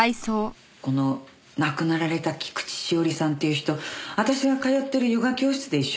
この亡くなられた菊地詩織さんっていう人私が通ってるヨガ教室で一緒だったのよ。